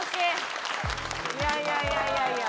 いやいやいやいやいや。